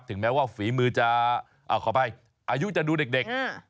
ถึงแม้ว่าฝีมือจะเอาเข้าไปอายุจะดูเด็ก